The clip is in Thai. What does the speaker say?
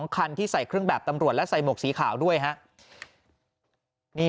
คันที่ใส่เครื่องแบบตำรวจและใส่หมวกสีขาวด้วยครับ